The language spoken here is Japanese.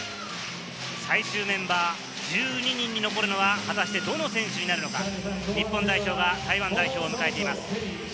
最終メンバー、１２人に残るのは果たしてどの選手になるのか、日本代表は台湾代表を迎えています。